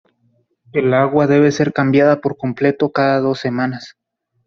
El agua debe ser cambiada por completo cada dos semanas.